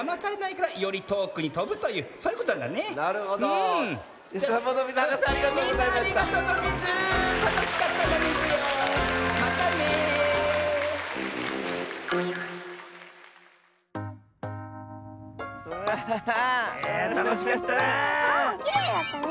かわもきれいだったね。